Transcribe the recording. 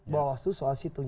bawah itu soal situng